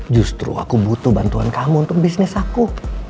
justru aku butuh bantuan kamu untuk bisnis aku